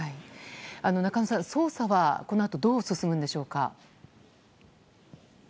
中野さん、捜査はこのあとどう進むのでしょうか。